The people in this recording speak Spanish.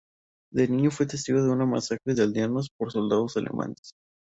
De niño fue testigo de una masacre de aldeanos por soldados alemanes.